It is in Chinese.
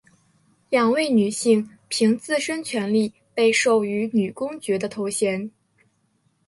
两位女性凭自身权利被授予女公爵的头衔。